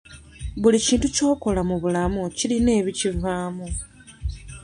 Buli kintu ky'okola mu bulamu kirina ebikivaamu.